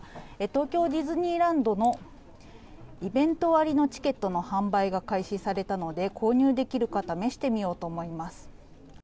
東京ディズニーランドのイベント割のチケットの販売が開始されたので購入できるか試してみようと思います。